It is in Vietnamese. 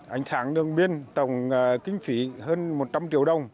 ánh sáng đường biên tổng kinh phí hơn một trăm linh triệu đồng